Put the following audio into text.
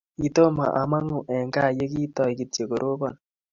Kitoma amangu eng gaa ye kitoi kityo koropan